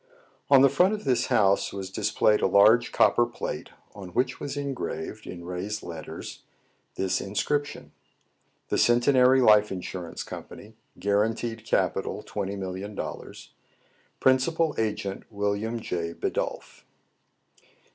On the front of this house was displayed a large copper plate, on which was engraved, in raised letters, this inscription, — «THE CENTENARY LIFE INSURANCE COMPANY. Guaranteed Capital, $20,000,000. Principal Agenty William J. Bidulph."